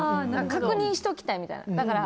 確認しておきたいみたいな。